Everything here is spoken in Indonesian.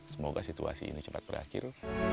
semoga situasi ini cepat berakhir